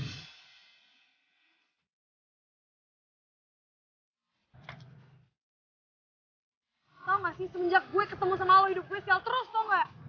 tau gak sih semenjak gue ketemu sama lo hidup gue sial terus tau gak